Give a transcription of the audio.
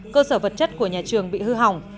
cơ sở vật chất của nhà trường bị hư hỏng